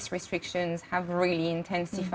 restriksi ini sangat berkualitas